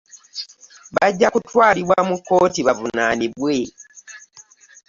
Bajja kutwalibwa mu kkooti bavunaanibwe.